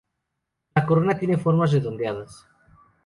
La corona tiene formas redondeadas.